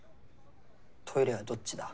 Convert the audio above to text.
トイレはどっちだ？